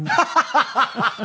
ハハハハ！